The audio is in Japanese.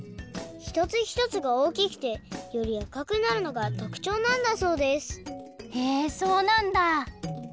ひとつひとつがおおきくてよりあかくなるのがとくちょうなんだそうですへえそうなんだ